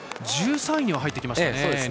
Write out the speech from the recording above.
１３位には入ってきました。